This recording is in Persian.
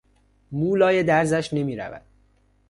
مو لای درزش نمیرود.